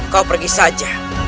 kau pergi saja